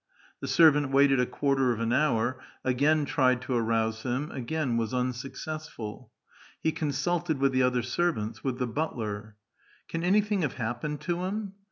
The servant waited a quarter of an hour, again tried to arouse him, again was unsuccessful. Ue consulted with the other servants, with the butler. " Can anything have happened to him?"